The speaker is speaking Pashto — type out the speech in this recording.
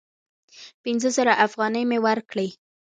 پینځه زره افغانۍ مي ورکړې !